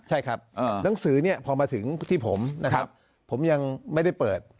ใช่ครับหนังสือเนี่ยพอมาถึงที่ผมนะครับผมยังไม่ได้เปิด